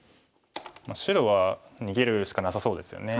白は逃げるしかなさそうですよね。